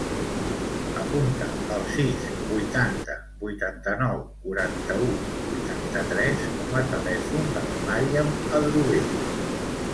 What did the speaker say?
Apunta el sis, vuitanta, vuitanta-nou, quaranta-u, vuitanta-tres com a telèfon de la Maryam Adrover.